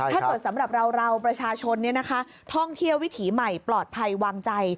สำหรับเราประชาชนท่องเที่ยววิถีใหม่ปลอดภัยวางใจ